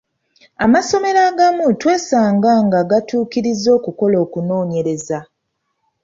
Amasomero agamu twesanga nga gatukkirizza okukola okunoonyereza.